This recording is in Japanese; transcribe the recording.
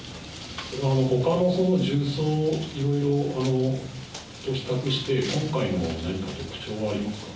ほかの銃創、いろいろと比較して、今回の何か特徴はありますか。